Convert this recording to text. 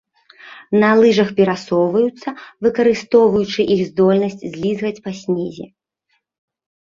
На лыжах перасоўваюцца, выкарыстоўваючы іх здольнасць слізгаць па снезе.